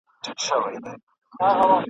کارګه وویل خبره دي منمه !.